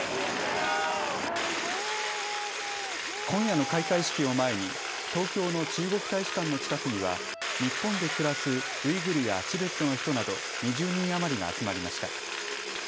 今夜の開会式を前に東京の中国大使館の近くには日本で暮らすウイグルやチベットの人など２０人余りが集まりました。